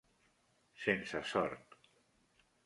Sense sort